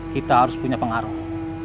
kita harus punya pengaruh